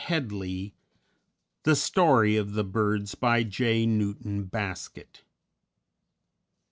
Headley; "The Story of the Birds," by J. Newton Baskett.